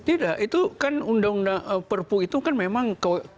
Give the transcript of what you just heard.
tidak itu kan undang undang perpu itu kan memang